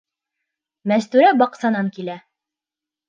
Мәстүрә баҡсанан килә.